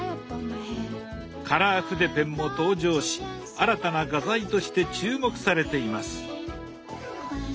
カラー筆ペンも登場し新たな画材として注目されています。